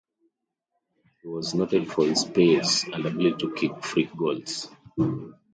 He was noted for his pace and ability to kick freak goals.